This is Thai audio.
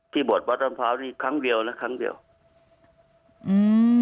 บวชวัดรำพร้าวนี่ครั้งเดียวและครั้งเดียวอืม